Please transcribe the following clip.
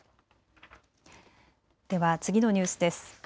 では次のニュースです。